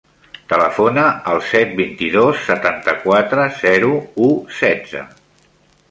Telefona al set, vint-i-dos, setanta-quatre, zero, u, setze.